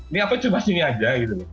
ini apa cuma sini aja gitu loh